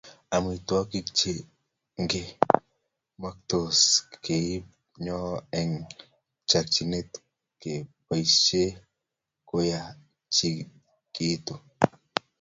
Amitwogik chengemoktos keib ndonyo eng chokchinet keboisie komayachikichitu